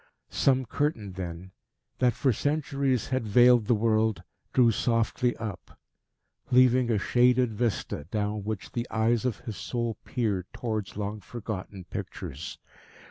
Some curtain, then, that for centuries had veiled the world, drew softly up, leaving a shaded vista down which the eyes of his soul peered towards long forgotten pictures.